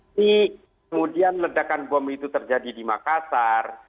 ini kemudian ledakan bom itu terjadi di makassar